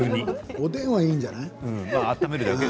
おでんはいいんじゃないの。